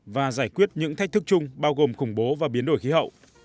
và giải quyết những thách thức chung bao gồm khủng bố và biến đổi khí hậu